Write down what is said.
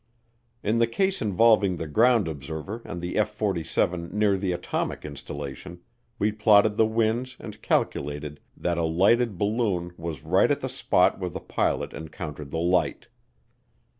In the case involving the ground observer and the F 47 near the atomic installation, we plotted the winds and calculated that a lighted balloon was right at the spot where the pilot encountered the light.